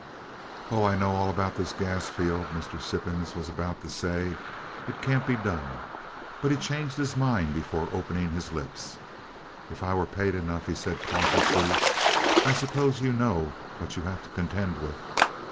"Oh, I know all about this gas field," Mr. Sippens was about to say. "It can't be done." But he changed his mind before opening his lips. "If I were paid enough," he said, cautiously. "I suppose you know what you have to contend with?"